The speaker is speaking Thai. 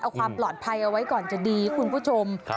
เอาความปลอดภัยเอาไว้ก่อนจะดีคุณผู้ชม